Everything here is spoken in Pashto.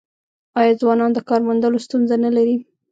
آیا ځوانان د کار موندلو ستونزه نلري؟